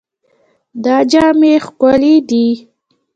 دا جامې ښکلې دي.